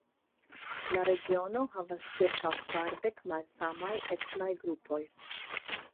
La regiono havas ĉirkaŭ kvardek malsamaj etnaj grupoj.